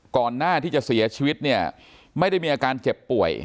ก่อนหน้าที่จะเสียชีวิตเนี่ยไม่ได้มีอาการเจ็บป่วย